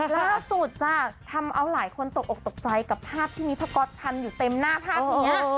ล่าสุดจ้ะทำเอาหลายคนตกออกตกใจกับภาพที่มีพระก๊อตพันอยู่เต็มหน้าภาพนี้